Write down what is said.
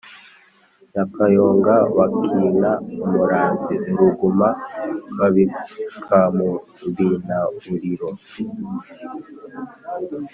Nyakayonga, Babikana umuranzi uruguma, Babikamurwinauriro